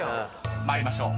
［参りましょう。